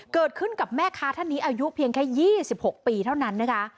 เกิดขึ้นกับแม่ค้าท่านนี้อายุเพียงแค่๒๖ปีเท่านั้นนะคะ